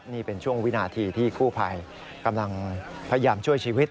นี่เป็นช่วงวินาทีที่กู้ภัยกำลังพยายามช่วยชีวิต